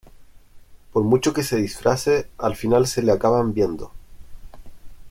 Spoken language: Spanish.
por mucho que se disfrace, al final se le acaban viendo